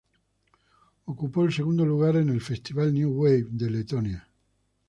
Ocupó el segundo lugar en festival "New Wave" de Letonia.